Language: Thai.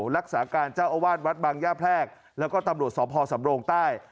รักษาการเจ้าอาวาสวัดบางย่าแพรกแล้วก็ตำรวจสพสำโรงใต้